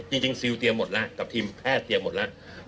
จริงซิลเตรียมหมดแล้วกับทีมแพทย์เตรียมหมดแล้ว